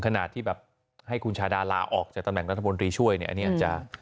ขนาดที่แบบให้คุณชาดาลาออกจากตำแหน่งรัฐมนตรีช่วยเนี่ยอันนี้อาจจะ